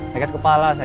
sakit kepala saya kemarin